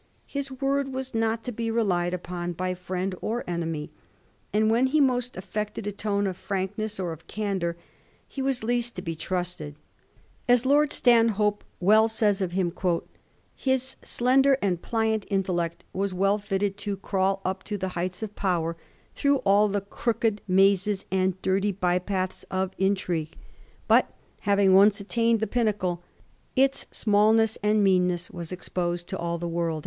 His word was not to be relied upon by firiend or enemy, and when he most affected a tone of fii'ankness or of candour he was least to be trusted. As Lord Stanhope well says of him, ' His slender and pliant intellect was well fitted to crawl up to the heights of power through all the crooked mazes and dirty by paths of intrigue ; but having Digiti zed by Google 40 A HISTORY OF THE FOUR GEORGES. ch. n. once attained the pinnacle, its smallness and meanness were exposed to all the world.'